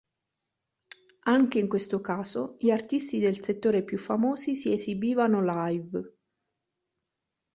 Anche in questo caso gli artisti del settore più famosi si esibivano live.